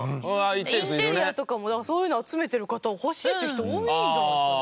インテリアとかもだからそういうの集めてる方は欲しいって人多いんじゃないですかね。